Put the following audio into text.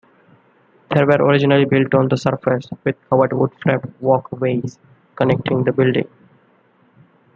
They were originally built on the surface, with covered wood-framed walkways connecting the buildings.